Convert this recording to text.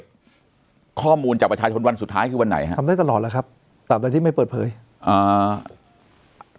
ข้อมูลจากประชาชนวันสุดท้ายคือวันไหนฮะทำได้ตลอดแล้วครับตามใดที่ไม่เปิดเผยอ่า